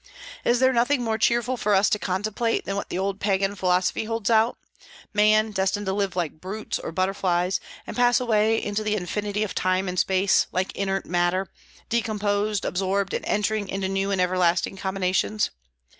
Is there nothing more cheerful for us to contemplate than what the old Pagan philosophy holds out, man destined to live like brutes or butterflies, and pass away into the infinity of time and space, like inert matter, decomposed, absorbed, and entering into new and everlasting combinations?